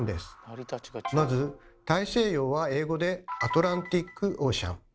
まず大西洋は英語で「アトランティック・オーシャン」。